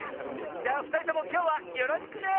じゃあふたりともきょうはよろしくね！